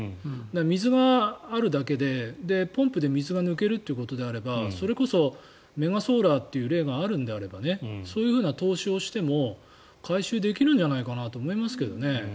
水があるだけで、ポンプで水が抜けるということであればそれこそ、メガソーラーという例があるのであればそういう投資をしても回収できるんじゃないかなと思いますけどね。